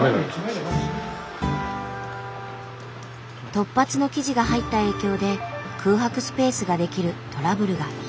突発の記事が入った影響で空白スペースが出来るトラブルが。